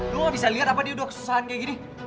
lo gak bisa liat apa dia udah kesesahannya kayak gini